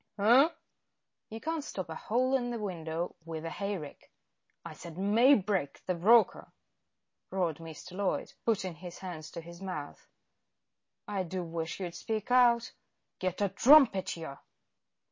"Eh?" "You can't stop a hole in a window with a hayrick." "I said Maybrick, the broker," roared Mr. Loyd, putting his hands to his mouth. "I do wish you'd speak out." "Get a trumpet. Yah!"